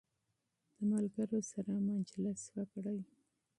د ملګرو سره مجلس وکړئ.